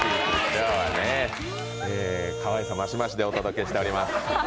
今日は、かわいさましましでお届けしています。